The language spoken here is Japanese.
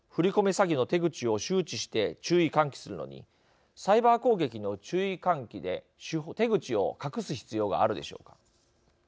詐欺の手口を周知して注意喚起するのにサイバー攻撃の注意喚起で手口を隠す必要があるでしょうか。